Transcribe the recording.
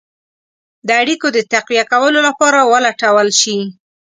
د اړېکو د تقویه کولو لپاره ولټول شي.